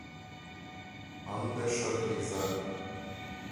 — Ынде шып лийза!